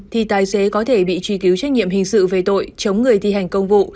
thì tài xế có thể bị truy cứu trách nhiệm hình sự về tội chống người thi hành công vụ